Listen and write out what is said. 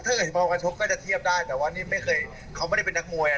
ถ้าเห็นความการชกก็จะเทียบได้